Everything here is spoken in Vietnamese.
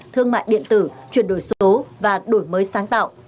thương mại điện tử chuyển đổi số và đổi mới sáng tạo